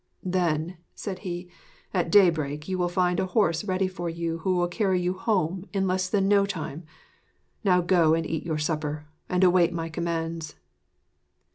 'Then,' said he, 'at daybreak you will find a horse ready for you who will carry you home in less than no time. Now go and eat your supper, and await my commands.'